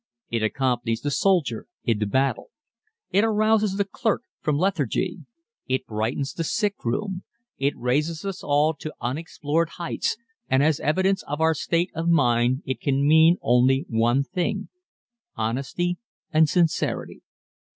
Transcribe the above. It accompanies the soldier into battle. It arouses the clerk from lethargy. It brightens the sick room. It raises us all to unexplored heights, and as evidence of our state of mind it can only mean one thing honesty and sincerity.